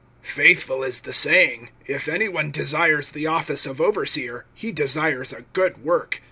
FAITHFUL is the saying, if any one desires the office of overseer[3:1], he desires a good work.